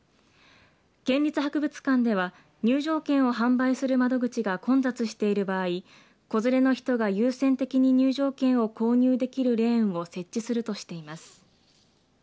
県立博物館では入場券を販売する窓口が混雑している場合子連れの人が優先的に入場券を購入できるレーンを設置するとしています。